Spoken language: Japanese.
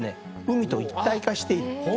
海と一体化している。